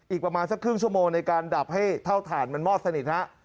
อีกประมาณสักครึ่งชั่วโมงในการดับให้เท่าฐานมันมอดสนิทฮะ